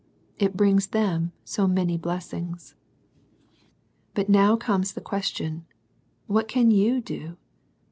It brings t?um so many blessings. But now comes the question, What can you do?